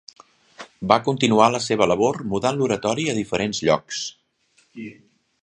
Va continuar la seva labor, mudant l'oratori a diferents llocs.